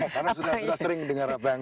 karena sudah sering dengar apa yang